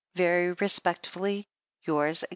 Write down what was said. Very respectfully. Yours, &c.